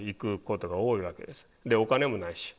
お金もないし。